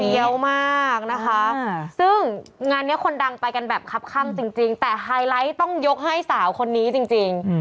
เยอะมากนะคะซึ่งงานนี้คนดังไปกันแบบคับข้างจริงแต่ไฮไลท์ต้องยกให้สาวคนนี้จริง